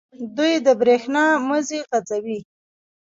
دوی د بریښنا مزي غځوي.